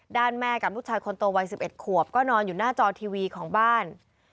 แม่กับลูกชายคนโตวัย๑๑ขวบก็นอนอยู่หน้าจอทีวีของบ้าน